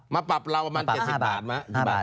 มาปรับเรากำลังจะอาจมือ๗๐บาท